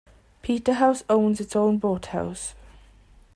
Peterhouse owns its own boathouse.